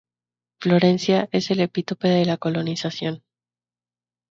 Florencia es el epítome de la colonización.